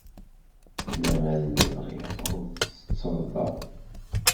Lemmer d lebɣi ur tettetteḍ da.